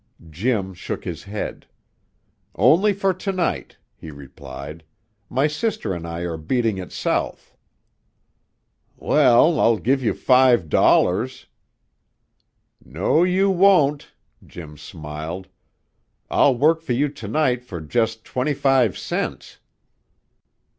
Jim shook his head. "Only for to night," he replied. "My sister and I are beating it South." "Well, I'll give you five dollars " "No, you won't," Jim smiled. "I'll work for you to night for just twenty five cents."